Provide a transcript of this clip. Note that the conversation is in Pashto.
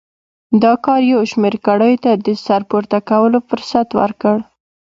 دا کار یو شمېر کړیو ته د سر پورته کولو فرصت ورکړ.